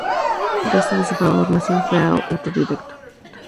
Todo el resto de su formación fue autodidacta.